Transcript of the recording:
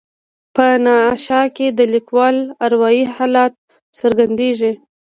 په انشأ کې د لیکوال اروایي حالت څرګندیږي.